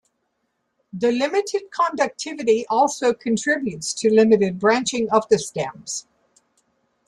The limited conductivity also contributes to limited branching of the stems.